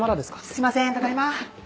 すいませんただ今！